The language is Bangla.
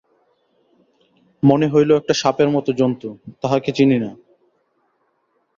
মনে হইল একটা সাপের মতো জন্তু, তাহাকে চিনি না।